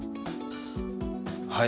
はい。